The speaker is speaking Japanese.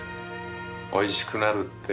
おいしくなるって。